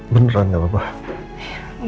beneran gak apa apa